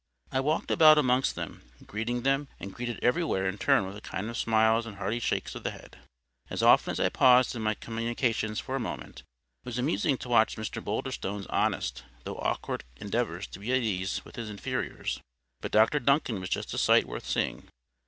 I walked about amongst them, greeting them, and greeted everywhere in turn with kind smiles and hearty shakes of the hand. As often as I paused in my communications for a moment, it was amusing to watch Mr. Boulderstone's honest, though awkward endeavours to be at ease with his inferiors; but Dr Duncan was just a sight worth seeing.